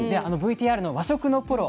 ＶＴＲの和食のプロ